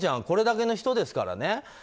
これだけの人ですからね。